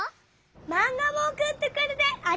マンガもおくってくれてありがとう！